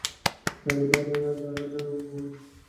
طالبان یوازې هغه ډله وبولو.